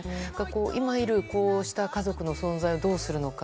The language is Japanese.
今いる、こうした家族の存在をどうするのか。